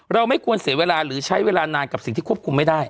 ไม่ควรเสียเวลาหรือใช้เวลานานกับสิ่งที่ควบคุมไม่ได้